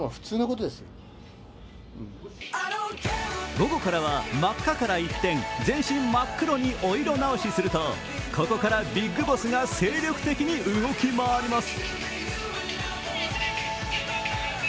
午後からは真っ赤から一転、全身真っ黒にお色直しするとここからビッグボスが精力的に動き回ります。